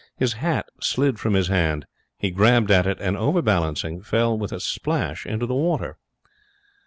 His hat slid from his hand. He grabbed at it, and, over balancing, fell with a splash into the water.